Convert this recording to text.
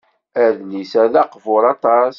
Adlis-a d aqbuṛ aṭas.